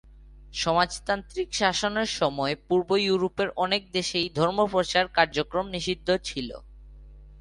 সমাজতান্ত্রিক শাসনের সময়ে পূর্ব ইউরোপের অনেক দেশেই ধর্মপ্রচার কার্যক্রম নিষিদ্ধ ছিল।